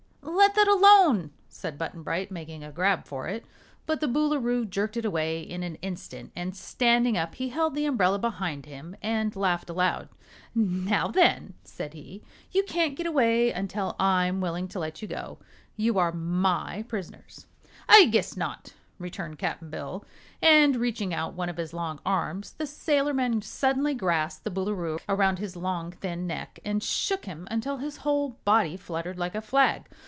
"Let that alone!" said Button Bright, making a grab for it. But the Boolooroo jerked it away in an instant and standing up he held the umbrella behind him and laughed aloud. "Now, then," said he, "you can't get away until I'm willing to let you go. You are my prisoners." "I guess not," returned Cap'n Bill, and reaching out one of his long arms, the sailorman suddenly grasped the Boolooroo around his long, thin neck and shook him until his whole body fluttered like a flag.